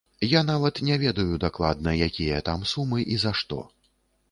Я нават не ведаю дакладна, якія там сумы і за што.